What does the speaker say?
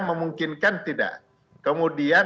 memungkinkan tidak kemudian